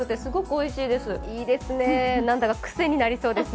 いいですね、何だか癖になりそうですね。